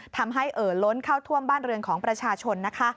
ทำให้เอ่อล้นเข้าท่วมบ้านเรือนของประชาชน